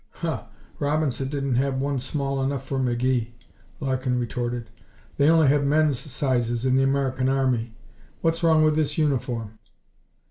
"Huh! Robinson didn't have one small enough for McGee," Larkin retorted. "They only have men's sizes in the American Army. What's wrong with this uniform?"